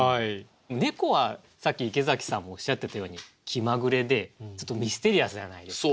猫はさっき池崎さんもおっしゃってたように気まぐれでちょっとミステリアスじゃないですか。